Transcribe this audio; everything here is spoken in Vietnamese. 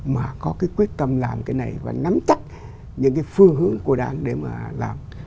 mà có cái quyết tâm làm cái này và nắm chắc những cái phương hướng của đảng để mà làm